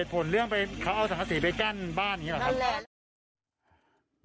เหตุผลเรื่องคราวอเอาสาธารากร์สถานที่เต้นบ้านรึเหรอครับ